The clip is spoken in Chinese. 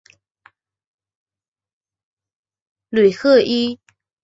吕赫伊。